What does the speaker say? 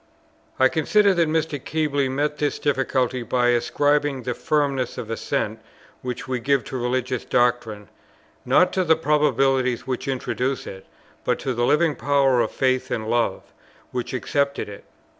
I considered that Mr. Keble met this difficulty by ascribing the firmness of assent which we give to religious doctrine, not to the probabilities which introduced it, but to the living power of faith and love which accepted it.